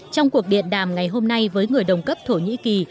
trong cuộc điện đàm ngày hôm nay với người đồng cấp thổ nhĩ kỳ